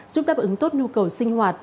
giúp đáp ứng tốt nhu cầu sinh hoạt